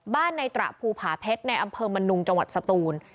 ในตระภูผาเพชรในอำเภอมนุงจังหวัดสตูน